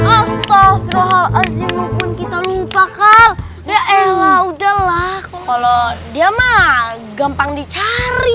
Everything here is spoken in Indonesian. astaghfirullahaladzim kita lupa kalau ya eh udah lah kalau dia mah gampang dicari